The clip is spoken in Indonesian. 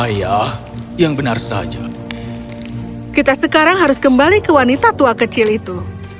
ayah yang benar saja kita sekarang harus kembali ke wanita tua kecil itu